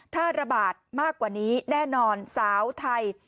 ถ้าระบาดมากกว่านี้แน่นอนสาวไทย